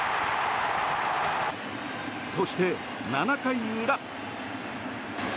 そして、７回裏。